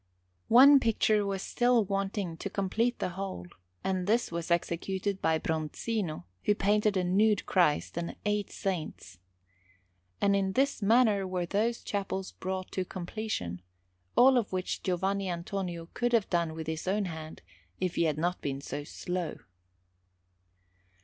One picture was still wanting to complete the whole, and this was executed by Bronzino, who painted a nude Christ and eight saints. And in this manner were those chapels brought to completion, all of which Giovanni Antonio could have done with his own hand if he had not been so slow.